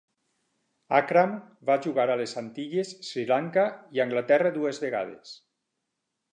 Akram va jugar a les Antilles, Sri Lanka i Anglaterra dues vegades.